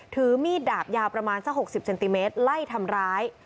ถือมีดดาบยาวประมาณสัก๖๐เซนติเมตรไล่ทำร้าย